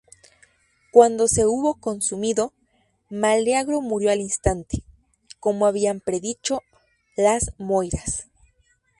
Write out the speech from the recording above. Cuando se hubo consumido, Meleagro murió al instante, como habían predicho las Moiras.